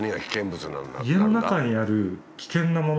家の中にある危険なもの